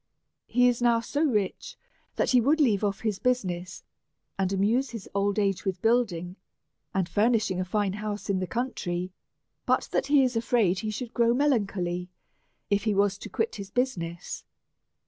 He is now so rich, that he would leave off his busi ness, and amuse his old age with building and furnish ing a fine house in the country, but that he is afraid he should grow melancholy, if he was to quit his busi ness.